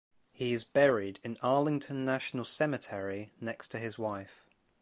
He is buried in Arlington National Cemetery next to his wife.